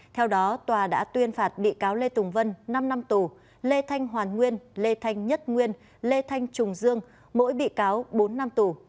theo đó tòa đã tuyên phạt bị cáo lê tùng vân năm năm tù lê thanh hoàn nguyên lê thanh nhất nguyên lê thanh trùng dương mỗi bị cáo bốn năm tù